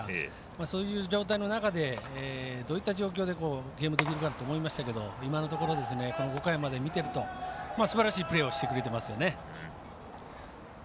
そういう状態の中でどういった状況でゲームできるかと思いましたけど今のところ、５回まで見てるとすばらしいプレーをしてくれていますね。